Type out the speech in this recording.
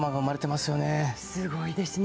すごいですね。